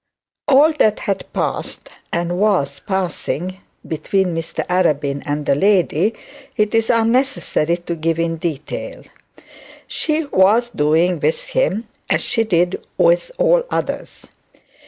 All that had passed, and was passing between Mr Arabin and the lady, it is unnecessary to give in detail. She was doing with him as she did with all others.